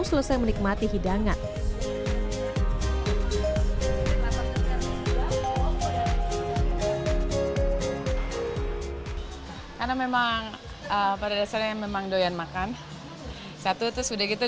selesai menikmati hidangan karena memang pada dasarnya memang doyan makan satu terus udah gitu